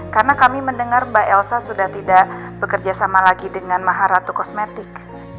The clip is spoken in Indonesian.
karena kami mendengar mbak elsa sudah tidak bekerja sama lagi dengan maharatu kosmetik